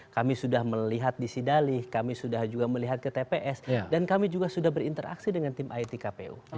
kami sudah melihat di sidalih kami sudah juga melihat ke tps dan kami juga sudah berinteraksi dengan tim it kpu